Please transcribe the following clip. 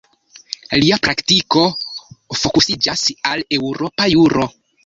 Lia praktiko fokusiĝas al eŭropa juro.